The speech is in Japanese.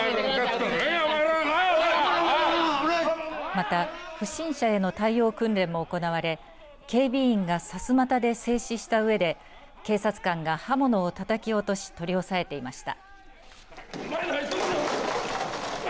また、不審者への対応訓練も行われ警備員がさすまたで制止したうえで警察官が刃物をたたき落とし取り押さえていました。